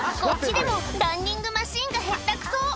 こっちでもランニングマシンがヘタくそ